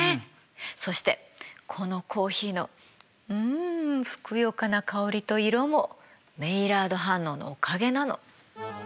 そしてこのコーヒーのうんふくよかな香りと色もメイラード反応のおかげなの。